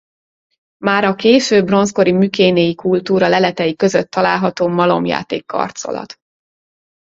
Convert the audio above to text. Már a késő bronzkori mükénéi kultúra leletei között található malomjáték-karcolat.